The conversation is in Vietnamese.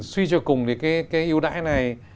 suy cho cùng thì cái yêu đại này